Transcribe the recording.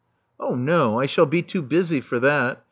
Oh no. I shall be too busy for that.